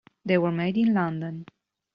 They were made in London.